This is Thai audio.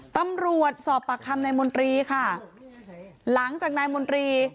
ตำรวจสอบปากคำนายมนตรีค่ะหลังจากนายมนตรี